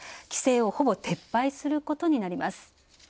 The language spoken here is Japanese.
規制をほぼ撤廃することになります。